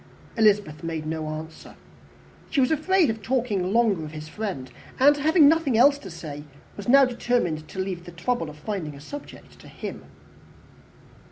Elizabeth made no answer. She was afraid of talking longer of his friend; and, having nothing else to say, was now determined to leave the trouble of finding a subject to him.